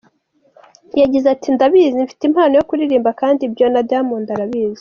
Yagize ati “ Ndabizi, mfite impano yo kuririmba, kandi ibyo na Diamond arabizi.